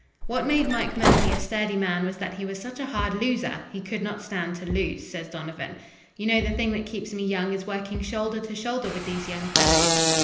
"What made Mike Murphy a sturdy man, was that he was such a hard loser he could not stand to lose," says Donovan. "You know the thing that keeps me young is working shoulder to shoulder with these young fellows."